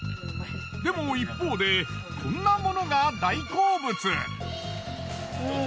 でも一方でこんなものが大好物。